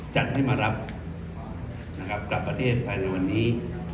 จัดให้มารับนะครับกลับประเทศภายในวันนี้